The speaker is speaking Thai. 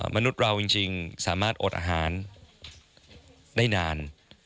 มนุษย์เราจริงสามารถอดอาหารได้นาน